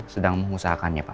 sedang mengusahakannya pak